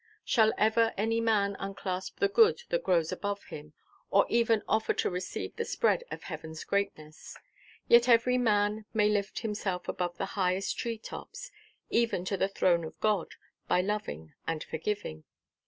Shall ever any man enclasp the good that grows above him, or even offer to receive the spread of Heavenʼs greatness? Yet every man may lift himself above the highest tree–tops, even to the throne of God, by loving and forgiving.